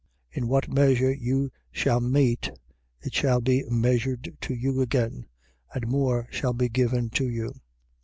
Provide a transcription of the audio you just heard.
In what measure you shall mete, it shall be measured to you again, and more shall be given to you.